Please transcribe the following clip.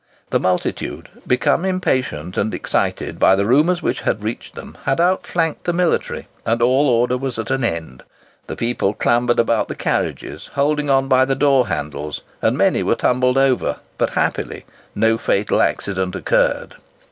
The multitude, become impatient and excited by the rumours which reached them, had outflanked the military, and all order was at an end. The people clambered about the carriages, holding on by the door handles, and many were tumbled over; but, happily no fatal accident occurred.